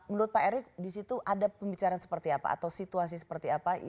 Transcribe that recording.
menurut pak erik di situ ada pembicaraan seperti apa atau situasi seperti apa